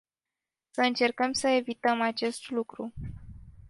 Să încercăm să evităm acest lucru.